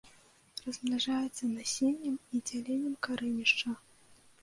Размнажаецца насеннем і дзяленнем карэнішча.